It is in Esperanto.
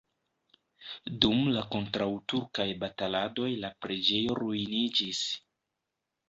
Dum la kontraŭturkaj bataladoj la preĝejo ruiniĝis.